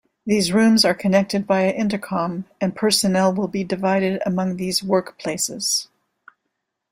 These rooms are connected via intercom, and personnel will be divided among these workplaces.